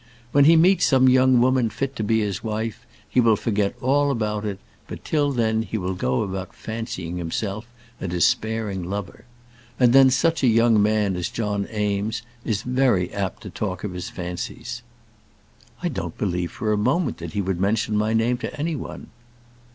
When he meets some young woman fit to be his wife he will forget all about it, but till then he will go about fancying himself a despairing lover. And then such a young man as John Eames is very apt to talk of his fancies." "I don't believe for a moment that he would mention my name to any one."